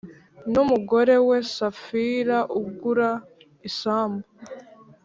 N umugore we safira agura isambu